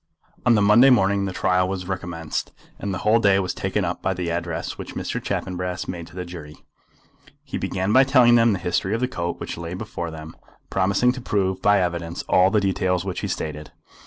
On the Monday morning the trial was recommenced, and the whole day was taken up by the address which Mr. Chaffanbrass made to the jury. He began by telling them the history of the coat which lay before them, promising to prove by evidence all the details which he stated.